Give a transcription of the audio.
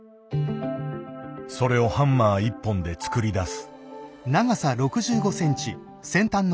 それをハンマー１本で作り出す。